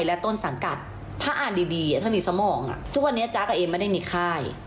และต้นสังกัดถ้าอ่านดีถ้ามีสมองทุกวันนี้จ๊ะกับเอมไม่ได้มีค่าย